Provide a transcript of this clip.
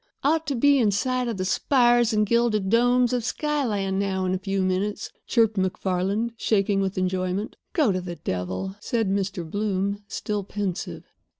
"Ought to be in sight of the spires and gilded domes of Skyland now in a few minutes," chirruped MacFarland, shaking with enjoyment. "Go to the devil," said Mr. Bloom, still pensive.